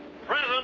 はい。